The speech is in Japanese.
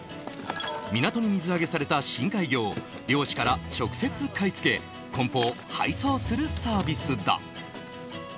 港に水揚げされた深海魚を、漁師から直接買い付け、こん包、配送するサービスだ。